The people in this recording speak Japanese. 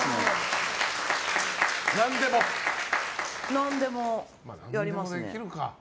何でもやりますね。